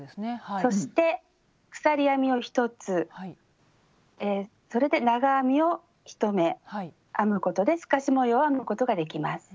そして鎖編みを１つそれで長編みを１目編むことで透かし模様を編むことができます。